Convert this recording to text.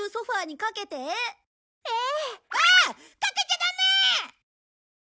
かけちゃダメ！